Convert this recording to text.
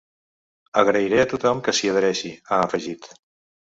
Agrairé a tothom que s’hi adhereixi, ha afegit.